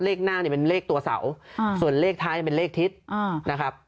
เลขหน้าเนี่ยเป็นเลขตัวเสาส่วนเลขท้ายเป็นเลขทิศนะครับ